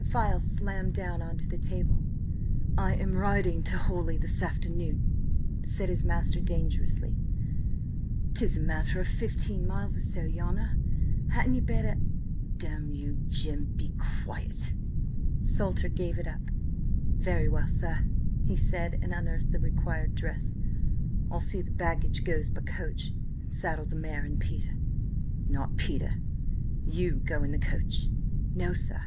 The file slammed down on to the table. "I am riding to Horley this afternoon!" said his master dangerously. "'Tis a matter of fifteen miles or so, your honour. Hadn't ye better–" "Damn you, Jim, be quiet!" Salter gave it up. "Very well, sir," he said, and unearthed the required dress. "I'll see the baggage goes by coach, and saddle the mare and Peter." "Not Peter. You go in the coach." "No, sir."